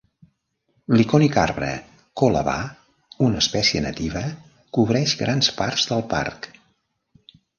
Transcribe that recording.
L'icònic arbre coolabah, una espècie nativa, cobreix grans parts del parc.